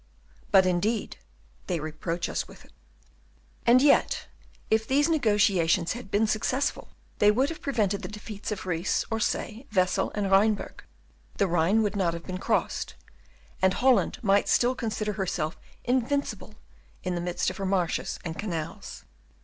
"But, indeed, they reproach us with it." "And yet, if these negotiations had been successful, they would have prevented the defeats of Rees, Orsay, Wesel, and Rheinberg; the Rhine would not have been crossed, and Holland might still consider herself invincible in the midst of her marshes and canals."